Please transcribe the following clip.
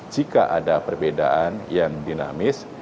jika ada perbedaan yang dinamis